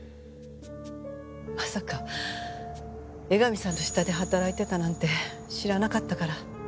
まさか江上さんの下で働いてたなんて知らなかったから。